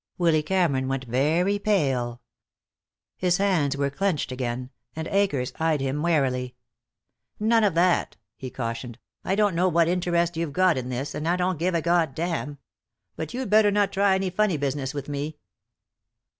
Willy Cameron went very pale. His hands were clenched again, and Akers eyed him warily. "None of that," he cautioned. "I don't know what interest you've got in this, and I don't give a God damn. But you'd better not try any funny business with me."